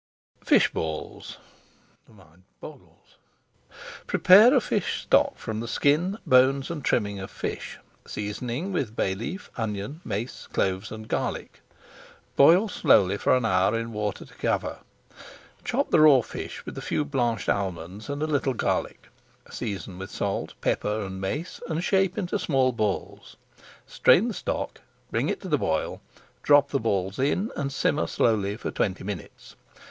FISH BALLS Prepare a fish stock from the skin, bones, and trimmings of fish, seasoning with bay leaf, onion, mace, cloves, and garlic. Boil slowly for an hour in water to coyer. Chop the raw fish with a few blanched almonds and a little garlic. Season with salt, pepper, and mace, and shape into small balls. Strain the stock, bring it to the boil, drop the balls in, and simmer slowly for twenty minutes.